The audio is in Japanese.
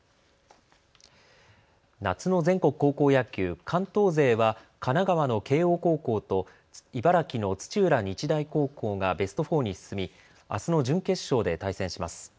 夏の全国高校野球、関東勢は神奈川の慶応高校と茨城の土浦日大高校がベスト４に進みあすの準決勝で対戦します。